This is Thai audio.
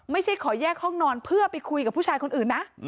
ไม่ใช่ขอแยกห้องนอนเพื่อไปคุยกับผู้ชายคนอื่นนะ